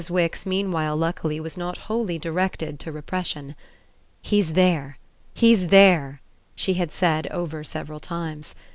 Wix meanwhile luckily was not wholly directed to repression. "He's there he's there!" she had said over several times.